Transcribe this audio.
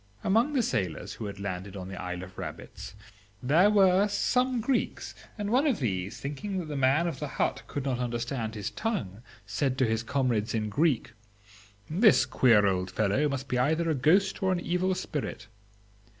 "Among the sailors who had landed on the Isle of Rabbits there were some Greeks, and one of these, thinking that the man of the hut could not understand his tongue, said to his comrades in Greek, 'This queer old fellow must be either a ghost or an evil spirit.